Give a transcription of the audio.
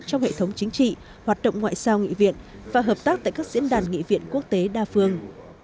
trong hệ thống chính trị hoạt động ngoại sao nghị viện và hợp tác tại các diễn đàn nghị viện quốc tế đa phương